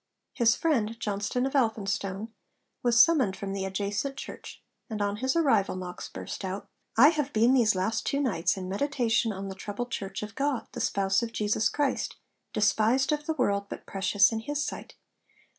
His friend, Johnston of Elphinstone, was summoned from the adjacent church, and on his arrival Knox burst out, 'I have been these two last nights in meditation on the troubled Church of God, the spouse of Jesus Christ, despised of the world, but precious in His sight.